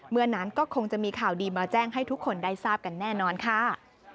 เมื่อนั้นก็คงจะมีข่าวดีมาแจ้งให้ทุกคนได้ทราบกันแน่นอนค่ะ